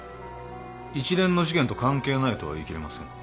一連の事件と関係ないとは言い切れません。